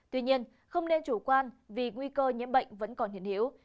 tuy nhiên không nên chủ quan vì nguy cơ nhiễm bệnh vẫn còn hiện hiếu